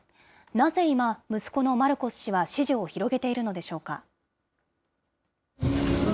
なぜ今、息子のマルコス氏は支持を広げているのでしょうか。